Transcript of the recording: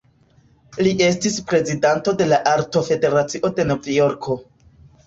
Li estis prezidanto de la Artofederacio de Novjorko.